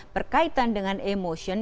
berkaitan dengan emotion